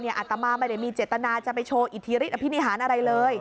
อาตมาไม่ได้มีเจตนาจะไปโชว์อิทธิฤทธอภินิหารอะไรเลย